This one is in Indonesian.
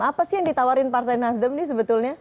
apa sih yang ditawarin partai nasdem ini sebetulnya